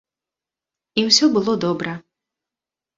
І ўсё было добра!